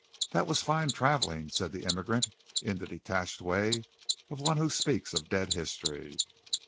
"That was fine travelling," said the immigrant in the detached way of one who speaks of dead history.